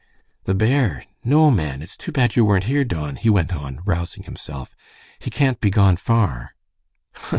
"The bear? No. Man! It's too bad you weren't here, Don," he went on, rousing himself. "He can't be gone far."